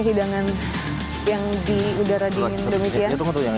hidangan yang di udara dingin demikian